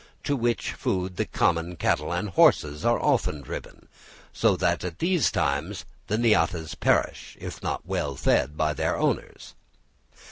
to which food the common cattle and horses are then driven; so that at these times the Niatas perish, if not fed by their owners.